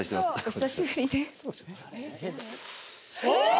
・お久しぶりです・あぁ！